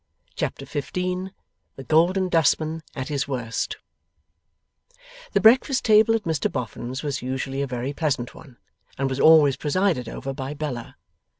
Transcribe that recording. Chapter 15 THE GOLDEN DUSTMAN AT HIS WORST The breakfast table at Mr Boffin's was usually a very pleasant one, and was always presided over by Bella.